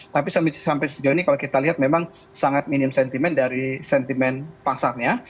tapi sampai sejauh ini kalau kita lihat memang sangat minim sentimen dari sentimen pasarnya